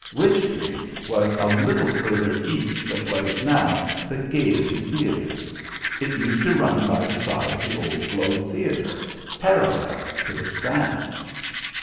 Wych Street was a little further east of what is now the Gaiety Theatre. It used to run by the side of the old Globe Theatre, parallel to the Strand."